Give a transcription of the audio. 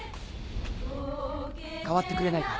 代わってくれないか？